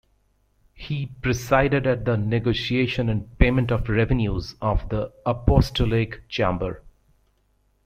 He presided at the negotiation and payment of revenues of the Apostolic Chamber.